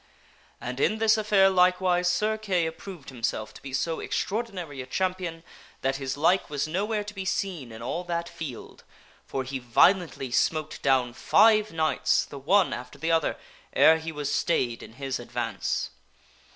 And in this affair likewise Sir Kay approved himself to be so extraor dinary a champion that his like was nowhere to be seen in all that field ; for he violently smote down five knights, the one after the other, ere he was stayed in his advance.